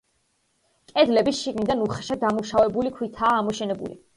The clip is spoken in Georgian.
კედლები შიგნიდან უხეშად დამუშავებული ქვითაა ამოშენებული.